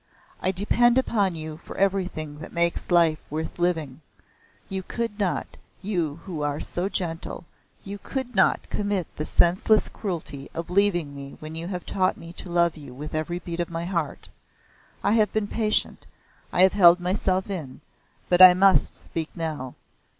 I depend upon you for everything that makes life worth living. You could not you who are so gentle you could not commit the senseless cruelty of leaving me when you have taught me to love you with every beat of my heart. I have been patient I have held myself in, but I must speak now.